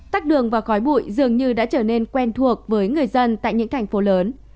tắc đường và khói bụi dường như đã trở nên quen thuộc với người dân tại những thành phố lớn